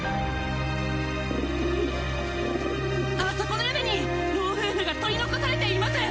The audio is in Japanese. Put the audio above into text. あそこの屋根に老夫婦が取り残されています！